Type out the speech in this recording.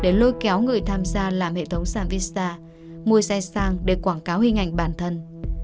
để lôi kéo người tham gia làm hệ thống sàn vista mua xe sang để quảng cáo hình ảnh bản thân